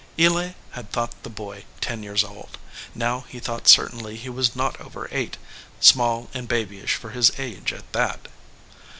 Eli had thought the boy ten years old, now he thought certainly he was not over eight, small and babyish for his age at that.